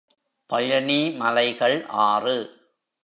பழனி மலைகள் ஆறு.